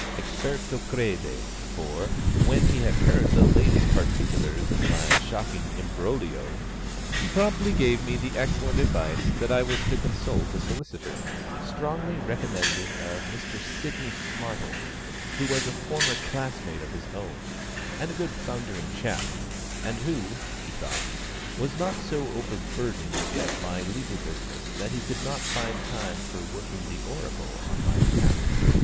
Experto crede, for, when he had heard the latest particulars of my shocking imbroglio, he promptly gave me the excellent advice that I was to consult a solicitor; strongly recommending a Mr SIDNEY SMARTLE, who was a former schoolmate of his own, and a good thundering chap, and who (he thought) was not so overburdened as yet by legal business that he could not find time for working the oracle on my behalf.